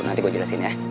nanti gue jelasin ya